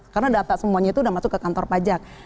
karena data semuanya itu udah masuk ke kantor pajak